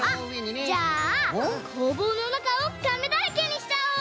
あっじゃあこうぼうのなかをカメだらけにしちゃおう！